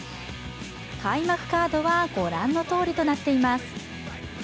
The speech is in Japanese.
開幕カードは御覧のとおりとなっています。